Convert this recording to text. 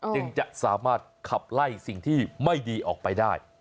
จึงจะสามารถขับไล่สิ่งที่ไม่ดีออกไปได้